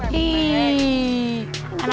hi anak aja